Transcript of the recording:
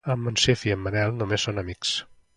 En Monsif i en Manel només són amics.